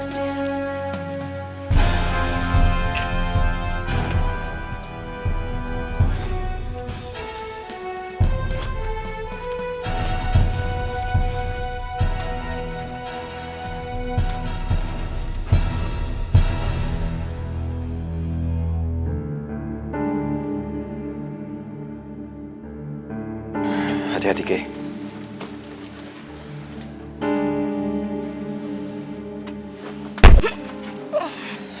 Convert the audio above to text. risa dimana kok